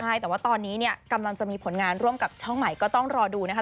ใช่แต่ว่าตอนนี้เนี่ยกำลังจะมีผลงานร่วมกับช่องใหม่ก็ต้องรอดูนะคะ